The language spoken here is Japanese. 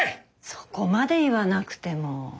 そこまで言わなくても。